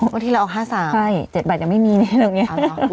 วัดที่แล้วออก๕๓ใช่๗บาทยังไม่มีเนี่ยลูกเนี่ย